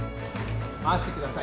回してください。